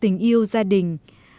tình yêu gia đình